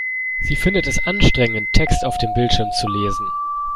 Sie findet es anstrengend, Text auf dem Bildschirm zu lesen.